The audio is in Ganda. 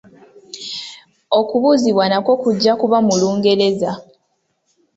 Okubuuzibwa nakwo kujja kuba mu Lungereza.